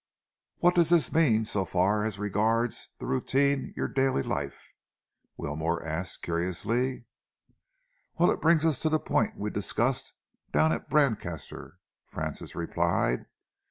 "What does this mean so far as regards the routine of your daily life?" Wilmore asked curiously. "Well, it brings us to the point we discussed down at Brancaster," Francis replied.